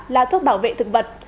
là thuốc bảo vệ thực vật